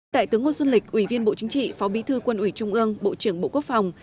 đại tướng ngô xuân lịch ủy viên bộ chính trị phó bí thư quân ủy trung ương bộ trưởng bộ quốc phòng